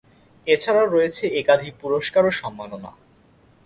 এছাড়াও রয়েছে একাধিক পুরস্কার ও সম্মাননা।